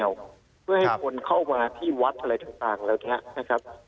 เพื่อให้คนเข้ามาที่วัดอะไรต่างเหล่านี้นะครับ